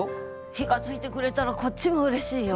火がついてくれたらこっちもうれしいよ。